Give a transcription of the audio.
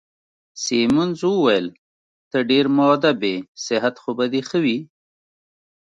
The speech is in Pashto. سیمونز وویل: ته ډېر مودب يې، صحت خو به دي ښه وي؟